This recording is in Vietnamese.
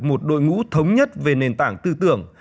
một đội ngũ thống nhất về nền tảng tư tưởng